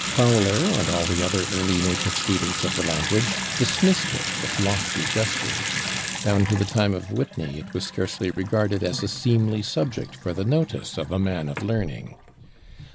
Fowler and all the other early native students of the language dismissed it with lofty gestures; down to the time of Whitney it was scarcely regarded as a seemly subject for the notice of a man of learning.